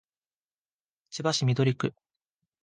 千葉市緑区